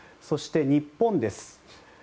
そして、日本です。